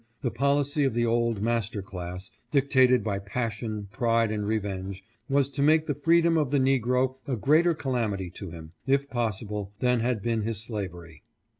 The policy of the old master class, dictated by passion, pride and revenge, was to make tho freedom of the negro a greater calamity to him, if possible, than had been his slavery.